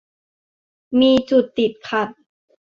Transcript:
มีจุดติดขัด